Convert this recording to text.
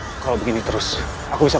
gawat kalau begini terus aku bisa mati